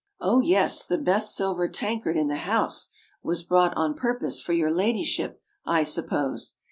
Oh, yes, the best silver tankard in the house was brought on purpose for your ladyship, I sup pose!